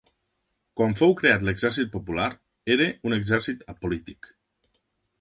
Quan fou creat l'Exèrcit Popular, era un exèrcit «apolític»